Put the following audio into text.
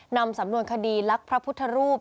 นำสำนวนคดีลักษณ์พระพุทธรูป